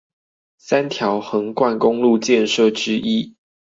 三條橫貫公路建設之一